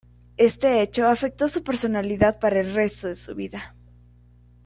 Este hecho afectó su personalidad para el resto de su vida.